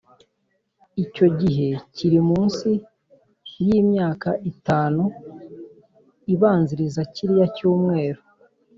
icyo gihe kiri munsi y imyaka itanu ibanziriza kiriya cyumweru